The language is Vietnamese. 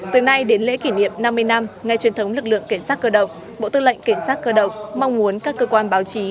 từ nay đến lễ kỷ niệm năm mươi năm ngày truyền thống lực lượng cảnh sát cơ động bộ tư lệnh cảnh sát cơ động mong muốn các cơ quan báo chí